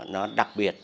nó đặc biệt